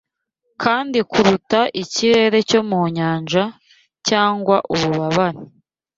Kandi kuruta ikirere cyo mu Nyanja cyangwa ububabare